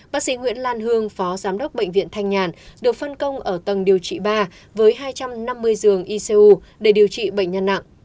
bác sĩ nguyễn lan hương phó giám đốc bệnh viện thanh nhàn được phân công ở tầng điều trị ba với hai trăm năm mươi giường icu để điều trị bệnh nhân nặng